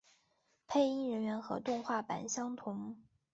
配音人员和动画版相同。